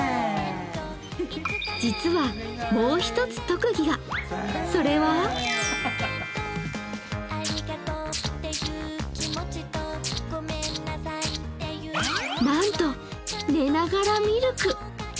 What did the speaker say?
実は、もう一つ、特技がそれはなんと寝ながらミルク。